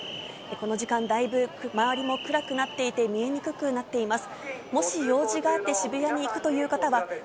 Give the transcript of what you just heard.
この時間、だいぶ周りも暗くなっていて、見えにくくなっています。